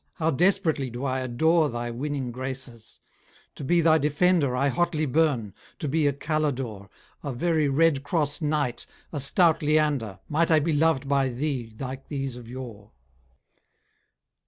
how desperately do I adore Thy winning graces; to be thy defender I hotly burn to be a Calidore A very Red Cross Knight a stout Leander Might I be loved by thee like these of yore.